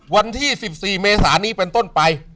วันที่๑๔เมษานี้เป็นต้นไป